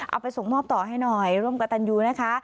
เอาไปส่งมอบต่อให้หน่อยร่วมกับตันยูนะคะ